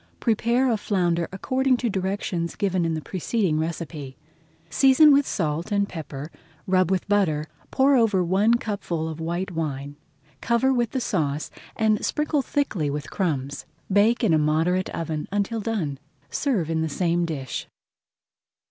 Prepare a flounder according to directions given in the preceding recipe. Season with salt and pepper, rub with butter, pour over one cupful of white wine, cover with the sauce, and sprinkle thickly with crumbs. Bake in a moderate oven until done. Serve in the same dish.